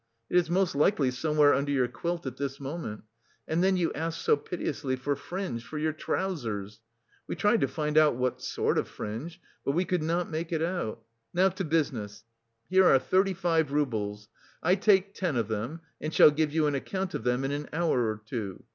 It is most likely somewhere under your quilt at this moment. And then you asked so piteously for fringe for your trousers. We tried to find out what sort of fringe, but we could not make it out. Now to business! Here are thirty five roubles; I take ten of them, and shall give you an account of them in an hour or two.